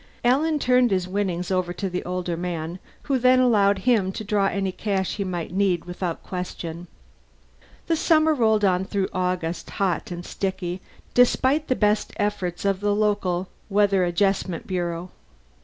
Alan turned his winnings over to the older man, who then allowed him to draw any cash he might need without question. The summer rolled on through August hot and sticky, despite the best efforts of the local weather adjustment bureau.